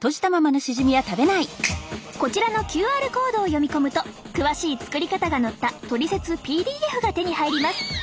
こちらのＱＲコードを読み込むと詳しい作り方が載ったトリセツＰＤＦが手に入ります。